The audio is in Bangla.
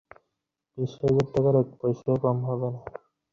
বিশ হাজার টাকার এক পয়সা কম হবে না।